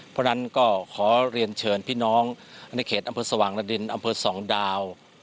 เพราะฉะนั้นก็ขอเรียนเชิญพี่น้องในเขตอำเภอสว่างระดินอำเภอสองดาว